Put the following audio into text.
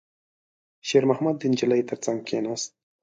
شېرمحمد د نجلۍ تر څنګ کېناست.